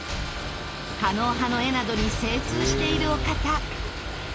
狩野派の絵などに精通しているお方。